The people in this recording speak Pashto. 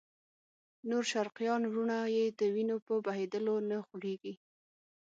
نور شرقیان وروڼه یې د وینو په بهېدلو نه خوږېږي.